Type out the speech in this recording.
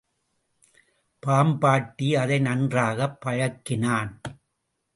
பாம்பாட்டி அதை நன்றாகப் பழக்கினான்.